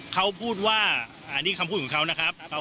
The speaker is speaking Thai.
เขาพูดว่าอันนี้คำพูดของเขานะครับ